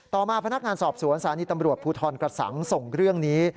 ต่อมาพนักงานสอบสวนศาลีตำรวจภูทรกระสังส่งเรื่องนี้